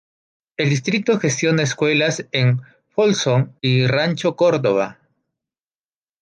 El distrito gestiona escuelas en Folsom y Rancho Cordova.